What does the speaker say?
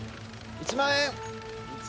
１万円！